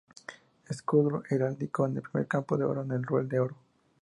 Escudo Heráldico: En el primer campo de oro un roel de Oro.